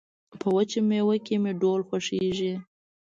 په وچه مېوه کې مې ډول خوښيږي